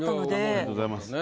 ありがとうございます。